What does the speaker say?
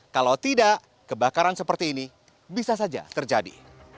kalau tidak kebakaran seperti ini bisa saja terjadi